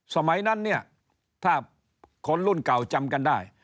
สมัยนั้นเนี่ยถ้าคนรุ่นเก่าจำกันได้